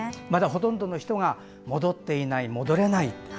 まだほとんどの人が戻っていない、戻れない。